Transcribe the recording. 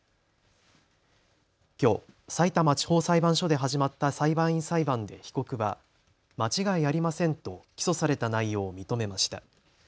きょう、さいたま地方裁判所で始まった裁判員裁判で被告は間違いありませんと起訴された内容を認めました。